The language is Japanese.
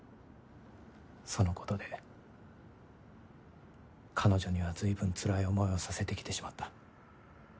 そのことで彼女には随分つらい思いをさせてきてしまった。